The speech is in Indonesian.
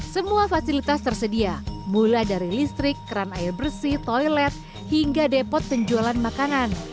semua fasilitas tersedia mulai dari listrik keran air bersih toilet hingga depot penjualan makanan